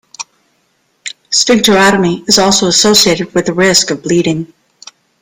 Sphincterotomy is also associated with a risk of bleeding.